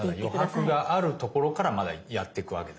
余白があるところからまだやってくわけだ。